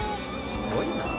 すごいな。